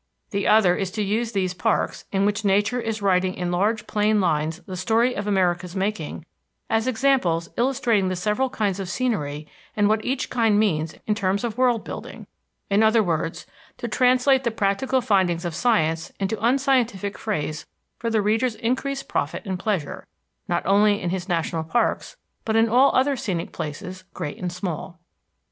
The other is to use these parks, in which Nature is writing in large plain lines the story of America's making, as examples illustrating the several kinds of scenery, and what each kind means in terms of world building; in other words, to translate the practical findings of science into unscientific phrase for the reader's increased profit and pleasure, not only in his national parks but in all other scenic places great and small.